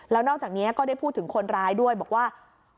แล้วนอกจากนี้ก็ได้พูดถึงคนร้ายด้วยบอกว่า